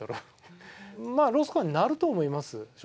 まあロースコアになると思います正直。